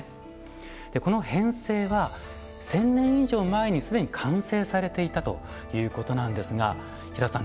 この編成は１，０００年以上前に既に完成されていたということなんですが飛騨さん